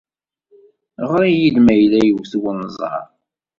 Ɣer-iyi-d ma yella iwet-d wenẓar.